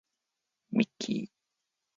ミッキー